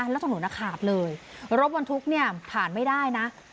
แล้วถนนอาขาบเลยรบวนทุกข์ผ่านไม่ได้นะ